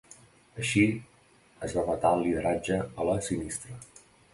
Així, es va vetar el lideratge a la Sinistra.